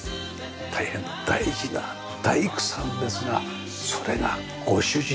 大変大事な大工さんですがそれがご主人ですよ。